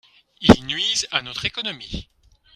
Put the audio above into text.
Ils nuisent à notre économie.